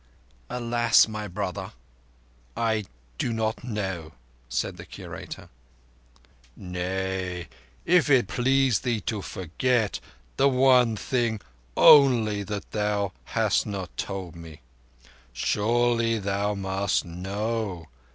"Alas, my brother, I do not know," said the Curator. "Nay, if it please thee to forget—the one thing only that thou hast not told me. Surely thou must know?